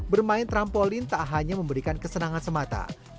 bermain trampolin tak hanya memberikan kesenangan semata